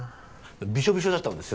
びしょびしょだったんですよ